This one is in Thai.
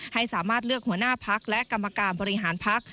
ให้สามารถเลือกหัวหน้าพักและกรรมการบริหารพัก